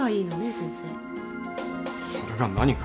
先生それが何か？